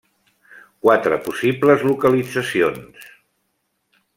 Quatre possibles localitzacions: